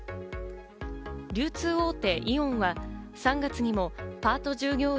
流通大手・イオンは３月にもパート従業員